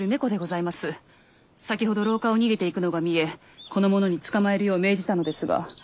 先ほど廊下を逃げていくのが見えこの者に捕まえるよう命じたのですが。